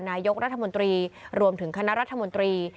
นายกรัฐมนตรีรวมถึงคณะรัฐมนตรี